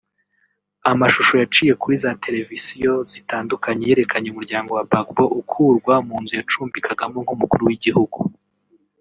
Amashusho yaciye kuri za televisiyo zitandukanye yerekanye umuryango wa Gbagbo ukurwa mu nzu yacumbikagamo nk’umukuru w’igihugu